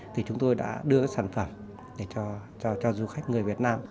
thì chúng tôi đã đưa sản phẩm để cho du khách người việt nam